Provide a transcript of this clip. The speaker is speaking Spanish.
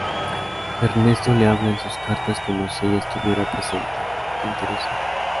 Ernesto le habla en sus cartas como si ella estuviera presente: "¿Te interesa?